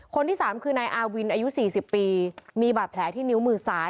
คนที่๓คือนายอาวินอายุ๔๐ปีมีบาดแผลที่นิ้วมือซ้าย